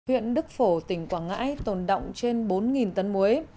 huyện đức phổ tỉnh quảng ngãi tồn động trên bốn tấn muối